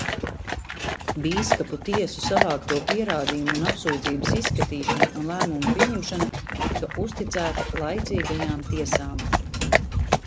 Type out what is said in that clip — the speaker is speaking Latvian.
Bīskapu tiesu savākto pierādījumu un apsūdzības izskatīšana un lēmuma pieņemšana tika uzticēta laicīgajām tiesām.